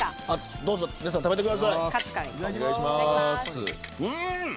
皆さん食べてください。